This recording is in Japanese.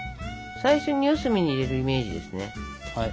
最初に四隅に入れるイメージですね。